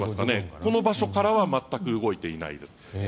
この場所からは全く動いていないです。